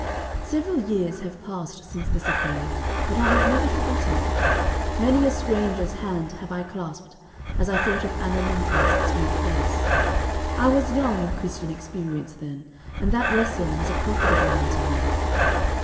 Several years have passed since this occurred, but I have never forgotten it. Many a stranger's hand I have clasped, as I thought of Anna Linton's sweet face. I was young in Christian experience then, and that lesson was a profitable one to me.